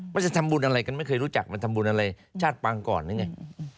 จะทำบุญอะไรกันไม่เคยรู้จักมันทำบุญอะไรชาติปังก่อนหรือไง